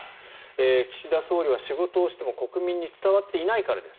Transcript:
岸田総理は仕事をしても国民に伝わっていないからです。